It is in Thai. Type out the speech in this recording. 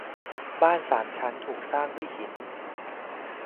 บ้านสามชั้นถูกสร้างด้วยหิน